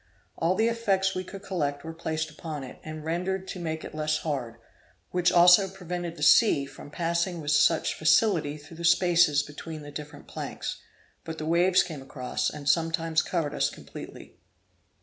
All the effects we could collect were placed upon it, and rendered to make it less hard; which also prevented the sea from passing with such facility through the spaces between the different planks, but the waves came across, and sometimes covered us completely.